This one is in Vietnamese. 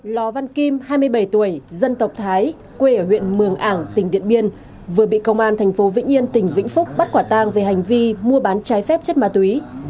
lò văn kim hai mươi bảy tuổi dân tộc thái quê ở huyện mường ảng tỉnh điện biên vừa bị công an tp vĩnh yên tỉnh vĩnh phúc bắt quả tang về hành vi mua bán trái phép chất ma túy